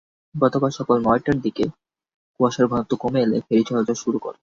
গতকাল সকাল নয়টার দিকে কুয়াশার ঘনত্ব কমে এলে ফেরি চলাচল শুরু হয়।